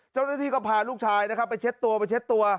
เจ้าหน้าที่ก็พาลูกชายนะครับไปเช็ดตัวไปเช็ดตัว